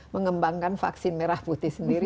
mengembangkan vaksin merah putih sendiri